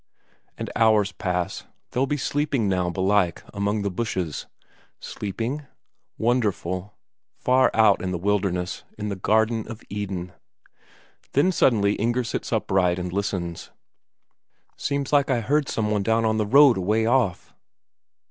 And hours pass they'll be sleeping now, belike, among the bushes. Sleeping? Wonderful far out in the wilderness, in the Garden of Eden. Then suddenly Inger sits upright and listens: "Seems like I heard some one down on the road away off?"